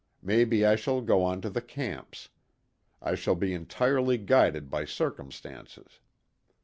Maybe I shall go on to the camps. I shall be entirely guided by circumstances.